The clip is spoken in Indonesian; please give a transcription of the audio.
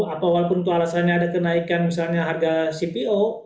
apapun itu alasannya ada kenaikan misalnya harga cpo